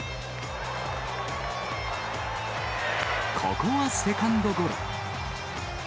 ここはセカンドゴロ。